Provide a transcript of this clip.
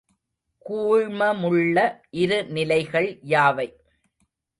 கூழ்மமுள்ள இரு நிலைகள் யாவை?